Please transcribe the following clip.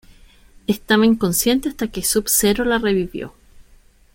Estaba inconsciente hasta que Sub-Zero la revivió.